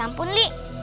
ya ampun lik